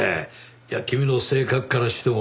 いや君の性格からしても。